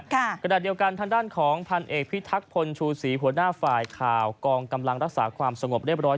ขณะเดียวกันทางด้านของพันเอกพิทักพลชูศรีหัวหน้าฝ่ายข่าวกองกำลังรักษาความสงบเรียบร้อย